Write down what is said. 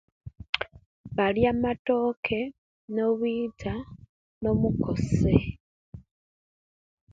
Balia amatoke no'bwiita no'mukose